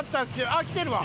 あっきてるわ。